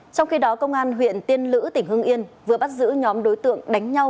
trong khi đó công an huyện tiên lữ tỉnh hương yên vừa bắt giữ nhóm đối tượng đánh nhau